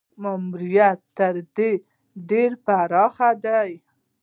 ماموریت تر دې ډېر پراخ دی.